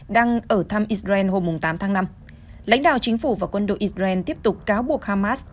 đang ở thăm israel hôm tám tháng năm lãnh đạo chính phủ và quân đội israel tiếp tục cáo buộc hamas